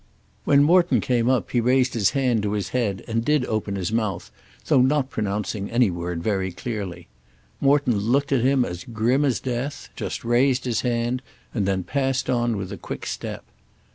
When Morton came up he raised his hand to his head and did open his mouth, though not pronouncing any word very clearly. Morton looked at him as grim as death, just raised his hand, and then passed on with a quick step.